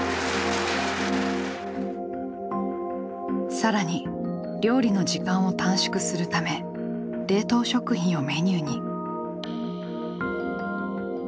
更に料理の時間を短縮するため冷凍食品をメニューに。